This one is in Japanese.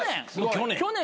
去年。